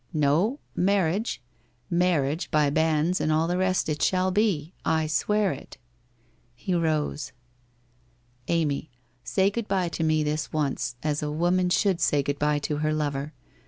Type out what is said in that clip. No, marriage — marriage by banns and all the rest it shall be, I swear it.' He rose. ' Amy, say good bye to me this once, as a woman should say good bye to her lover.